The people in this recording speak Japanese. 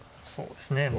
そうですね。